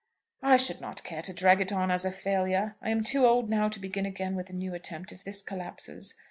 "I shall not care to drag it on as a failure. I am too old now to begin again with a new attempt if this collapses.